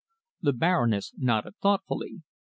The Baroness nodded thoughtfully.